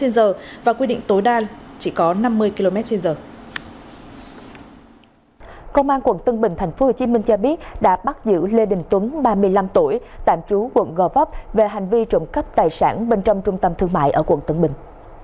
công an quận tân bình tp hcm cho biết đã bắt giữ lê đình tuấn ba mươi năm tuổi tạm trú quận gò vấp về hành vi trộm cắp tài sản bên trong trung tâm thương mại ở quận tân bình